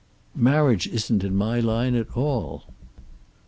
"Marriage isn't in my line at all."